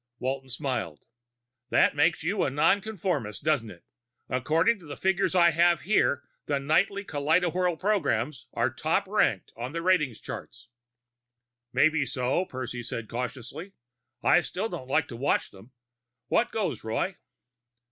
Walton smiled. "That makes you a nonconformist, doesn't it? According to the figures I have here, the nightly kaleidowhirl programs are top ranked on the rating charts." "Maybe so," Percy said cautiously. "I still don't like to watch them. What goes, Roy?"